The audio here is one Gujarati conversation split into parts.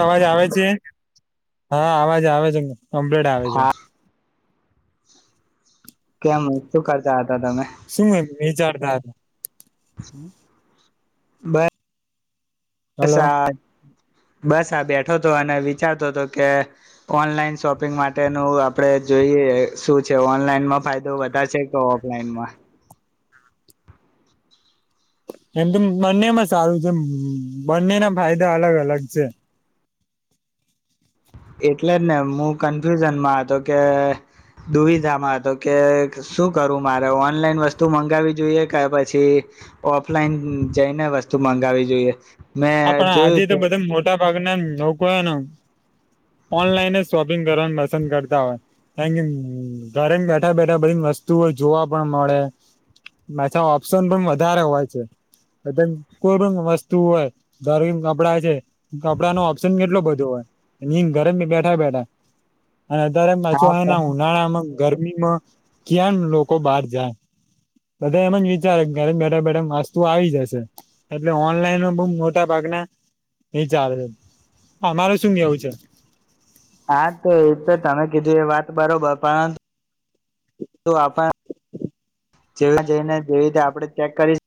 અવાજ આવે છે? હા અવાજ આવે છે. ઓમ્પેટ આવે છે. હા કેમ શું કરતા તા તમે. શું એમ વિચારતા હમ્મ. બા હલો શા બસ આ બેઠો તો અને વિચારતો હતો કે ઓનલાઈન શોપિંગ માટેનું આપડે જોઈએ શું છે ઓનલાઈનમાં ફાયદો વધારે છે કે ઓફલાઈનમાં. એમ તો બંનેમાં સારું છે બંનેના ફાયદા અલગ અલગ છે. એટલે જ ને હું કન્ફ્યુઝનમાં હતો કે દુવિધામાં હતો કે શું કરું મારે ઓનલાઈન વસ્તુ મંગાવવી જોઈએ કે પછી ઓફલાઈન જઈને વસ્તુ મંગાવી જોઈએ. હા મેં પણ આજે જોયું તો બધા મોટા ભાગના લોકો હો ને ઓનલાઈન જ શોપિંગ કરવાનું પસંદ કરતા હોય. કારમ કે ઘરે બેઠા બેઠા બધી વસ્તુઓ જોવા પણ મળે, માછા ઓપ્શન પણ વધારે હોય છે. બધે કોઈ પણ વસ્તુ હોય ઘર કપડા છે કપડા નો ઓપ્શન કેટલો બધો હોય ઘરે બેઠા બેઠા. અને દર હા મછના ઉનાળા ગરમીમાં ક્યાં લોકો બહાર જાય બધા એમ જ વિચારે ઘરે બેઠા બેઠા વાસ્તુ આવી જશે. એટલે ઓનલાઈનમાં બહ મો મોટા ભાગના એ ચાલ. તમારે શું કેવું છે? હા તો એ તો તમે કીધું એ વાત બરોબર પણ આપ જે જઈને જેવી રીતે આપણે ચેક કરી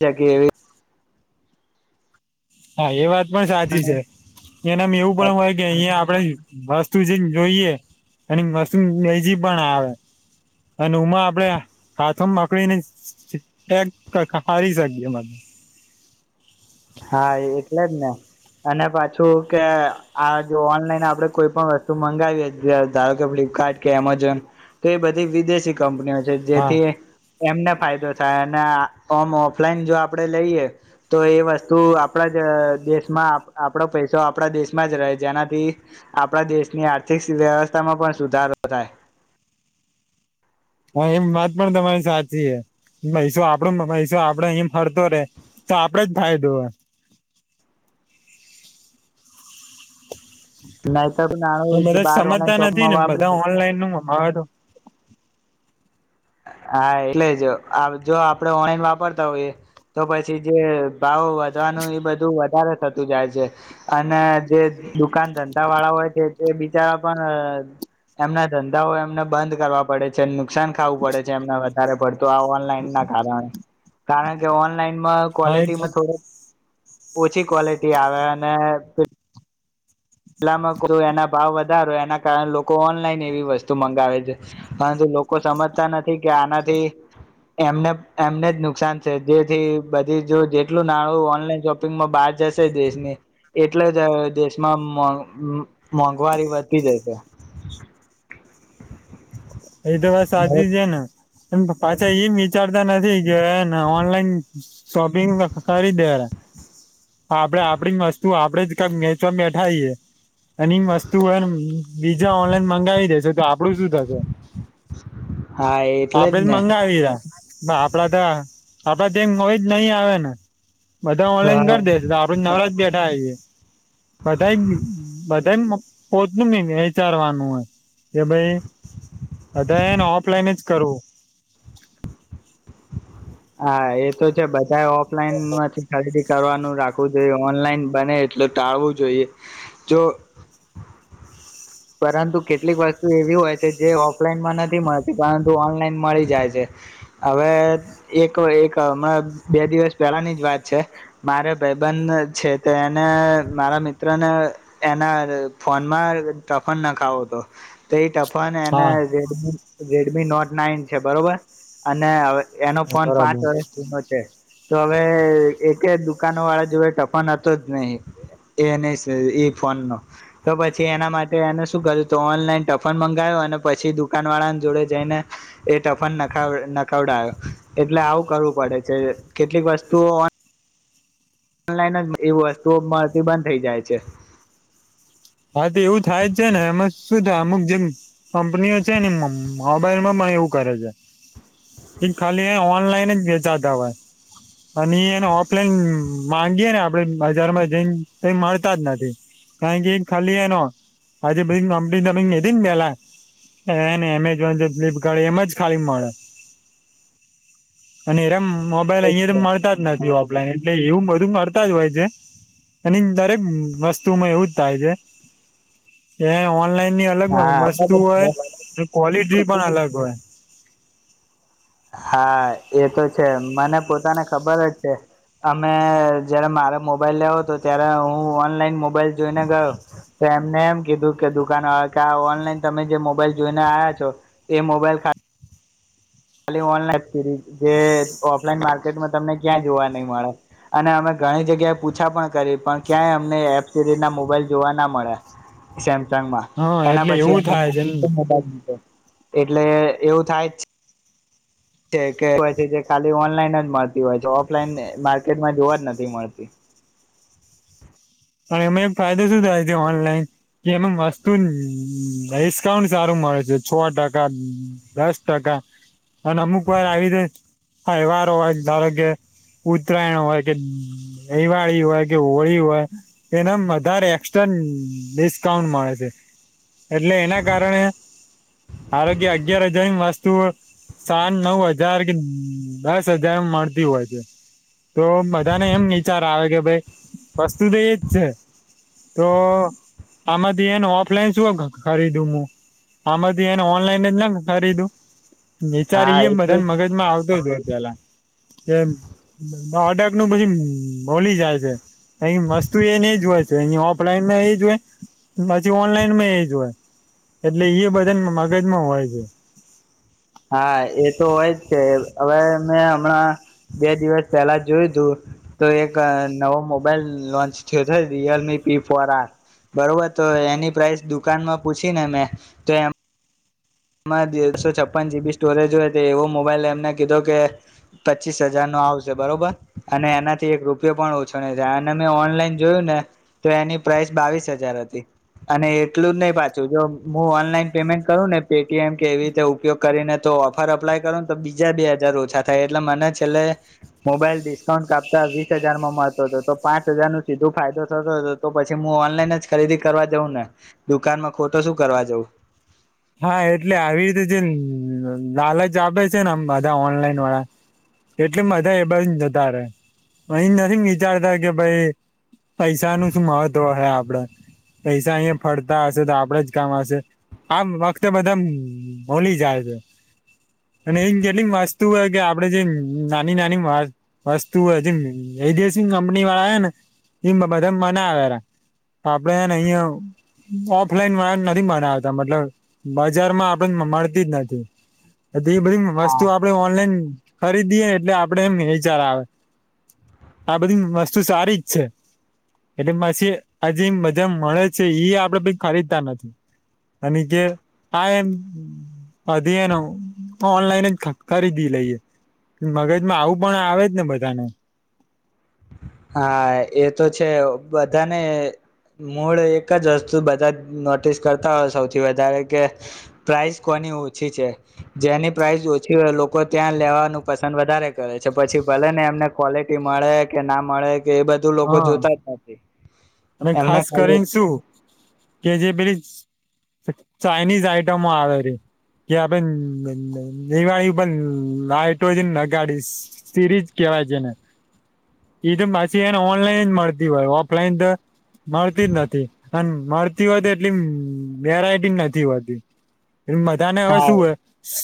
જ કે એવી હા એ વાત પણ સાચી છે. એનામ એવું પણ હોય કે અહીયા આપણે વસ્તુ જેમ જોઈએ એની મેજી પણ આવે. અને ઉમાં આપણેે હાથો મકડીને ચેક કરી શકીએધ હા એટલે જ ને અને પાછું કે આ જો ઓનલાઈન આપણેે કોઈ પણ વસ્તુ મંગાવીએ ધારો કે ફ્લિપકાર્ટ કે એમેઝોન તો એ બધી વિદેશી કંપનીઓ જે હા જેથી એમને ફાયદો થાય. અને ઓમ ઓફલાઈન જો આપડે લઈએ તો એ વસ્તુ તુ આપણા જ દેશમાં આપડો પૈસો આપડા દેશમાં જ રહે. જેનાથી આપણા દેશની આર્થિક વ્યવસ્થામાં પણ સુધારો થાય. હા એમ વાત પણ તમારી સાચી છે. પૈસ આપડ પૈસ આપડો અહી ફરતો રે, તો આપડે જ ફાયદો હોય. નાહી તોર નાનું પણ જે બધા બાર ઓનલાઈન શોપમાં વાપરી હા તો હા એટલે જ જો આપડે ઓનલાઈન વાપરતા હોઈએ તો પછી જે ભાવ વધવાનું એ બધું વધારે થતું જાય છે. અને જે દુકાન ધંધા વાળા હોય છે. તે બિચારા પણ એમના ધંધાઓ એમને બંધ કરવા પડે છે. નુકસાન ખાવું પડે છે. એમને વધારે પડ તો આ ઓનલાઈન ના કારણે. કારણ કે ઓનલાઈનમાં હા એ કોલેટીમાં થોડક ઓછી કોલેટી આવે અને એના ભાવ વધારો, એના કારણે લોકો ઓનલાઈન એવી વસ્તુ મંગાવે છે. પરંતુ લોકો સમજતા નથી કે આનાથી એમને એમને જ નુકસાન છે. જેથી બધી જો જેટલું નાણું ઓનલાઈન શોપિંગમાં બહાર જશે દેશની. એટલે જ દેશમાં [unintelligible] મોંઘવારી વધતી જશે. એ તો વાત સાચી જ ને એમ પાછા એમ વિચારતા નથી કેને ઓનલાઈન શોપિંગ કરી દે હા આપડે આપડી વસ્તુ આપ આપડે જ વેચવામાં બેઠાએ. અને વસ્તુ બીજા ઓનલાઈન મંગાવી દે છે. તો આપડું શું હા એટલે જ આપડે ને મંગાવી. આપડા ત આપડા જેમ હોય જ નહી આવે ને બધા ઓનલાઈન હા કરી દેશે. આપડે નવરાજ બેઠા બધા બધા પોતનું નહી વિચારવાનું હોય. કે ભાઈ બધાએ ઓફલાઈન જ કરો હા એ તો છે. બધા ઓફલાઈન માંજ ખરીદી કરવાનું રાખવું જોઈએ. ઓનલાઈન બને એટલે ટાળવું જોઈએ. જો પરંતુ કેટલીક વસ્તુ એવી હોય છે. જે ઓફલાઈનમાં નથી મળતી. પરંતુ ઓનલાઈન મળી જાય છે. હવે એક એક હમણાં બે દિવસ પહેલાની જ વાત છે મારે ભાઈધંન છે, તે એને મારા મિત્રને એના ફોનમાં ટફન ના ખાવો તો તે ટફન પણ હા એન રેડમી મી નોટ નાઈન છે. બરોબર અને હવે એનો ફોન પાંચ બરાબર વર્ષ જુનો છે. તો હવે એક દુકાનો વાળા જોડ ટફન હતો જ નહી એ ન એ ફોન નો તો પછી એના મા તે એને શું કર્યું તો ઓનલાઈન ટફન મંગાવો અને પછી દુકાન વાળા જોડે જઈને એ ટફનખ નખવડાય્યો એટલે આવું કરવું પડે છે કેટલીક વસ્તુઓ ઓ ઓનલાઈન જ એવી વસ્તુઓ મળતી બંધ થઇ જાય છે. હા તો એવું થાય જ છે ને એમાં શું થાય અમુક જેમ કંપનીઓ છે ને મોબાઈલમાં પણ એવું કરે છે, ખાલી એ ઓનલાઈન જ વેચાતા હોય અને એ એને ઓફલાઈન માંગીયે ને આપડે બજારમાં જ મળતા જ નથી કારણ કે. ખાલી એનો આજે બધી કંપની તમે નધી ને પેલા એને એમેઝોન, ફ્લિપકાર્ટ એમ જ ખાલી મળે અને એરામ. મોબાઈલ અહિયાયા તો મળતા જ નથી. એટલે એવું બધું કરતા જ હોય છે એ દરેક વસ્તુમાં એવું જ થાય છે. એ ઓનલાઈન ની અલગ વસ્તુ હોય. હા ક્વોલિટી પણ અલગ હોય. હા એ તો છે મને પોતાને ખબર જ છે, અમે જયારે મારે મોબાઈલ લેવો હતો ત્યારે હું ઓનલાઈન મોબ મોબાઈલ જોઈને ગયો. તો એમને એમ કીધું કે દુકાન વાળા કે આ ઓનલાઈન તમે જે મોબાઈલ જોઈને આવ્યા છો એ મોબાઈલ ખા ખાલી ઓનલાન એ સિરીઝ જે ઓફલાઈન માર્કેટમાં તમને ક્યાં જોવા નહી મળે અને અમે ઘણી જગ્યાએ પૂછા પણ કરી, પણ ક્યાંય અમને એપ સિરીઝ ના મોબાઈલ જોવા ના મળ્યા. ગામમાં હા એના એટલે એવું પછી થાય છે [unintelligible] એટલે એવું થાય જ. પછી જે ખાલી ઓનલાઈન જ મળતી હોય છે, ઓફલાઈન માર્કેટમાં જોવા જ નથી મળતી. અને એમાં ફાયદો શું થાય છે ઓનલાઈન કે એમાં વસ્તુ ડિસ્કાઉન્ટ સારું મળે છે, છ ટકા, દસ ટકા અને અમુક વાર આવી રીતે તહેવારો હોય ધારો કે ઉતરાયણ હોય કે, દિવાળી હોય કે, હોળી હોય. એના વધારે એક્સ્ટ્રા ડિસ્કાઉન્ટ મળે છે એટલે એના કારણે. આરોગ્ય અગિયાર હજારની વસ્તુઓ. સાત નવ હજાર કે દસ હજાર મળતી હોય છે, તો બધાને એમ વિચાર આવે કે ભઈ વસ્તુ તો એ છે તો આમાંથી એને ઓફલાઈન શું ખરીદું આમાંથી એને ઓનલાઈન જ ના ખરીદું. હા વિચારી એમ એટલે બધાને મગજમાં આવતો જ હોય. ગલા. એમ. ઓડક નું પછી બોલી જાય છે ક મસ્ત. તું એજ હોય છે અ ઓફલાઈનમાં એ જ હોય, પછી ઓનલાઈન માં એ જ હોય એટલે એ બધા મગજમાં હોય છે. હા એ તો હોય જ છે, હવે મેં હમણાં બે દિવસ પહેલા જોયું તું તો એક નવો મોબાઈલ લોન્ચ થયો થ રિયલમી પી ફોર આર બરોબર તો એની પ્રાઇસ દુકાનમાં પૂછી ને મેં તો એ એમાં દસો છપ્પન જીબી સ્ટોરેજ હોય તો એવો મોબાઈલ એમને કીધો કે પચીસ હજાર નો આવશે બરોબર, અને એનાથી એક રૂપિયો પણ ઓછો નહી થાય અને મેં ઓનલાઈન જોયું ને તો એની પ્રાઇસ બાવીસ હજાર હતી અને એટલું જ નહી પાછું જો હું ઓનલાઈન પેમેન્ટ કરું ને. પેટીએમ કે એવી રીતે ઉપયોગ કરીને તો ઓફર અપ્લાય કરો ને તો બીજા બે હજાર ઓછા થાય એટલે મને છેલ્લે મોબાઈલ ડિસ્કાઉન્ટ કાપતા વીસ હજારમાં મળતો હતો તો પાંચ હજાર નું સીધો ફાયદો થતો હતો, તો પછી ઓનલાઈન જ ખરીદી કરવા જઉં ને દુકાનમાં ખો તો શું કરવા જઉં. હા એટલે આવી રીતે જે લાલચ આપે છે, ને આમ બધા ઓનલાઈન વાળા એટલે બધા એ બ જતા રે એ નથી વિચારતા કે ભાઈ. પૈસા નું શું મહત્વ હ આપ. આપ પૈસા અહીયાં ફરતા હશે તો આપડે જ કામ હશે. આ વખતે બધા ભલી જાય છે, અને એ જેટલી વસ્તુ હોય કે આપડે જે નાની નાની વસ્તુ હોય જે એસી કંપની વાળા હો ને એ બધા મનાવે, આપડેને અહિયાં ઓફલાઈન વાળા નથી મનાવતા મતલબ. બજારમાં આપડે મળતી જ નથી. એ બધી હા વસ્તુ આપડે ઓનલાઈન. ખરીદીએ એટલે આપડે એમ વિચાર આવે આ બધી વસ્તુ સારી જ છે, એટલે પછી આ જે મજા મળે છે એ આપડે ખરીદતા નથી અને જે આ એમ વધી એને ઓનલાઈન જ ખરીદી લઈએ, મગજમાં આવું પણ આવે જ ને બધાને. હા એ તો છે બધાને મૂળ એક જ વસ્તુ બધા નોટિસ કરતા હોય સૌથી વધારે કે પ્રાઈસ કોની ઓછી છે, જેની પ્રાઇસ ઓછી હોય લોકો ત્યાં લેવાનું પસંદ વધારે કરે છે પછી ભલે ને એમને ક્વોલિટી મળે કે ના મળે કે એ બધું લોકો જોતા જ નથી. અને એમને ખાસ ખાલી કરીને શું કે જે પેલી ચાાઈનીઝ આઈટમો આવે છે કે આપે દિવાળી પણ હઇટ્રોજન નગાડી સીરીજ કેવાય છેને એ તો પછી એને ઓનલાઈન જ મળતી હોય ઓફલાઈન તો મળતી જ નતી મળતી હોતી એટલી વેરાયટી નથી હોતી મધાને હવે હા શું હોય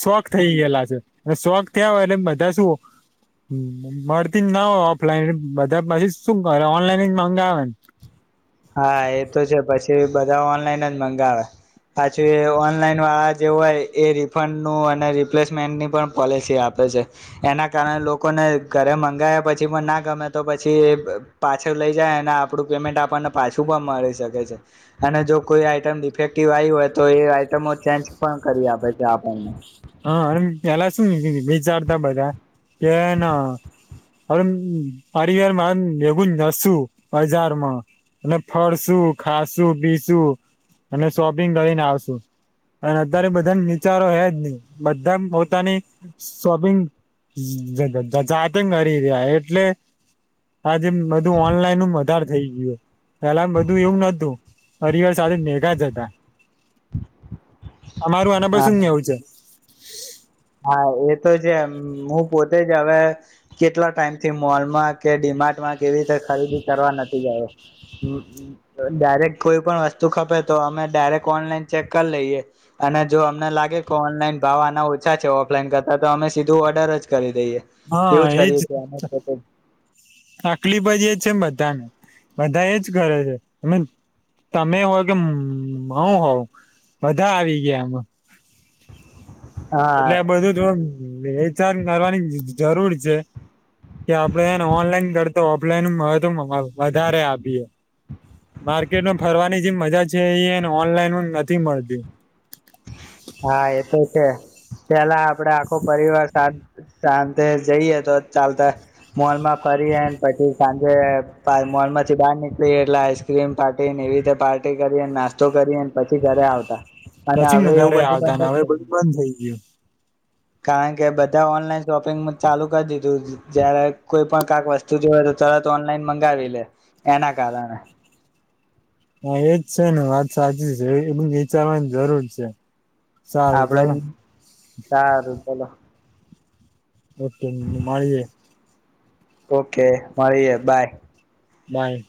શો ખ થઈ ગયેલા છે શોખ થયા હોય એટલે બધા શું મળતી જ ના હોય ઓફલાઈન બધા પછી શું કરે ઓનલાઈન જ મંગાવેને હા એ તો છે પછી બધા ઓનલાઈન જ મંગાવે પછી ઓનલાઈન વાળા જે હોય એ રિફંડનું અને રિપ્લેસમેન્ટની પણ પોલિસી આપે છે એના કારણે લોકોને ઘરે મંગાવયા પછી પણ ના ગમે તો પછી એ પાછળ લઈ જાય અને આપડું પેમેન્ટ આપણને પાછું પણ મળી શકે છે અને જો કોઈ આઈટમ ડિફેક્ટિવ આવી હોય તો એ આઈટમો ચેન્જ પણ કરી આપે છે આપણને હા અને પેલા શું વિચારતા બધા કે ના હવે પરિવાર મા ભેગું નશું બજારમાં અને ફરસું ખાશું પીસું અને શોપિંગ કરીને આવશુ અને અત્યારે બધાને વિચારો હજ ની બધા પોતાની શોપિંગ જાતે કરી રહ્યા એટલે હા જેમ બધું ઓનલાઈન હ ધાર થઈ ગયો પેલા બધું એવું નતું હરિવાર સાથે મેઘા જ હતા. અમારું આના હા પસું નેવું છે. હા એ તો છે હું પોતે જ હવે કેટલા ટાઈમ થી મોલમાં કે ડીમાર્ટમાં કેવી રીતે ખરીદી કરવા નથી ગ્યો ડાયરેક્ટ કોઈ પણ વસ્તુ ખપે તો અમે ડાયરેક્ટ ઓનલાઈન ચેક કરી લઈએ અને જો અમને લાગે કે ઓનલાઈન ભાવ આના ઓ છા છે ઓફઈન કરતા તો અમે સીધું ઓર્ડર જ કરી દઈએ હા એવું જ એજ કરીએ છીએ અમે પોતે આકલી બાજ [unintelligible] બા બધા એજ કરે છે તમે તમે હો કે હુ હોવ બધા આવી ગયામાં હા એટલે આ બધું તો વેચાર કરવાની જરૂર છે. કે આપડે ઓનલાઈન તો ઓફલાઈન મહત્વ વધારે આપીએ માર્કેટમાં ફરવાની જે મજા છે એને ઓનલાઈન નથી મળતી કે પેલા આપડે આખો પરિવાર સા સાાંજે જઈએ તો ચાલતા મોલ માં ફરીએ પછી સાંજે મોલ માંથી બહાર નીકળી એટલે આઈસક્રીમ પાર્ટીને એવી રીતે પાર્ટી કરીને નાસ્તો કરીને પછી ઘરે આવતા અને પછી હવે એવું ધરે આ બધું બંધ તા ને જ થઈ હવે ગયું બધું બંધ થઈ ગયું. [inaudible] કારણ કે બધા ઓનલાઈન શોપિંગ ચાલુ કરી દીધું જયારે કોઈ પણ કાક વસ્તુ જો તો તરત ઓનલાઈન મંગાવી લે એના કારણે હા એજ છે ને વાત સાચી છે એવી વિચારવાની જરૂર છે. સારું ચાલો આપડે સારું ચલો ઓકે મળીએ ઓકે મળીએે બાય બાય